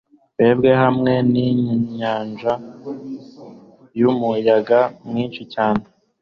twebwe hamwe ninyanja yumuyaga mwinshi cyane